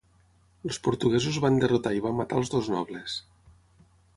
Els portuguesos van derrotar i van matar els dos nobles.